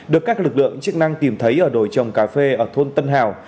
được các lực lượng chức năng tìm thấy ở đồi trồng cà phê ở thôn tân hào